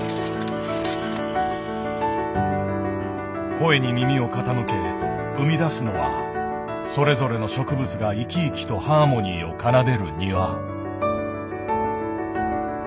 声に耳を傾け生み出すのはそれぞれの植物が生き生きとハーモニーを奏でる庭。